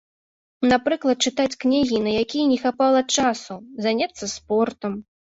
Напрыклад, чытаць кнігі, на якія не хапала часу, заняцца спортам.